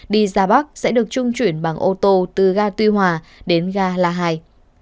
đi ra bắc sẽ được trung chuyển bằng ô tô từ ga tuy hòa đến ga la hai